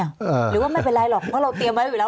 หรือว่าไม่เป็นไรหรอกเพราะเราเตรียมไว้อยู่แล้ว